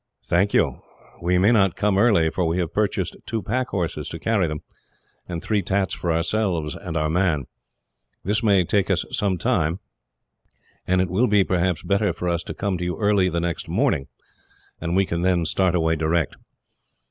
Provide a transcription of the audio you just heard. "Thank you. We may not come early, for we have to purchase two pack horses to carry them, and three tats for ourselves and our man. This may take us some time, and it will be, perhaps, better for us to come to you early the next morning, and we can then start away direct."